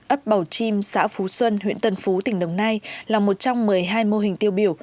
ấp bảo chim xã phú xuân huyện tân phú tỉnh đồng nai là một trong một mươi hai mô hình tiêu biểu